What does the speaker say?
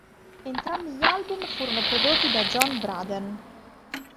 Entrambi gli album furono prodotti da "John Braden".